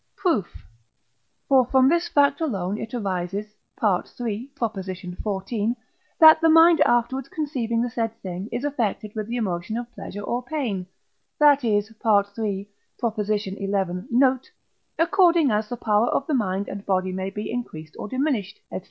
Proof. For from this fact alone it arises (III. xiv.), that the mind afterwards conceiving the said thing is affected with the emotion of pleasure or pain, that is (III. xi. note), according as the power of the mind and body may be increased or diminished, &c.